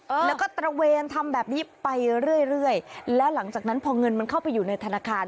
เออแล้วก็ตระเวนทำแบบนี้ไปเรื่อยเรื่อยแล้วหลังจากนั้นพอเงินมันเข้าไปอยู่ในธนาคาร